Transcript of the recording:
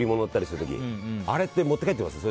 あれって持って帰ってきます？